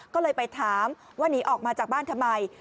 ก็เลยไปถามว่าหนีออกมาจากบ้านทำไม